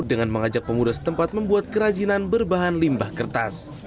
dengan mengajak pemuda setempat membuat kerajinan berbahan limbah kertas